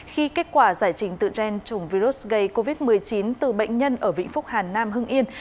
khi kết quả giải trình tự gen chủng virus gây covid một mươi chín từ bệnh nhân ở vĩnh phúc hàn nam hưng yên